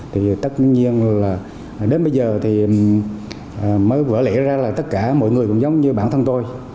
thì tất nhiên là đến bây giờ thì mới vỡ lẽ ra là tất cả mọi người cũng giống như bản thân tôi